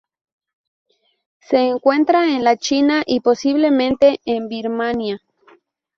Se encuentra en la China y, posiblemente en Birmania.